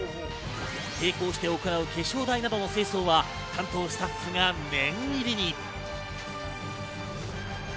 並行して行う化粧台などの清掃は担当スタッフが念入りに。